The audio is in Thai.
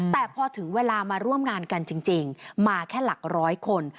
แต่พอถึงเวลามาร่วมงานกันจริงมาแค่หลักร้อยคน